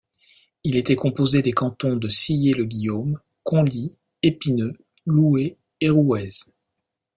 Il était composé des cantons de Sillé-le-Guillaume, Conlie, Epineu, Loué et Rouez.